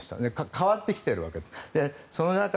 変わってきてるわけです。